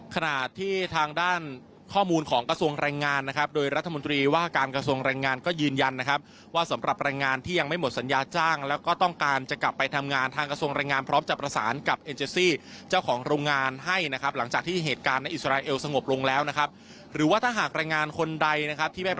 ขณะที่ทางด้านข้อมูลของกระทรวงแรงงานนะครับโดยรัฐมนตรีว่าการกระทรวงแรงงานก็ยืนยันนะครับว่าสำหรับแรงงานที่ยังไม่หมดสัญญาจ้างแล้วก็ต้องการจะกลับไปทำงานทางกระทรวงแรงงานพร้อมจะประสานกับเอ็นเจซี่เจ้าของโรงงานให้นะครับหลังจากที่เหตุการณ์ในอิสราเอลสงบลงแล้วนะครับหรือว่าถ้าหากแรงงานคนใดนะครับที่ได้